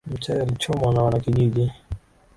Mchawi alichomwa na wanakijiji